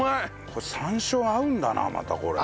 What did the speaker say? これ山椒合うんだなまたこれ。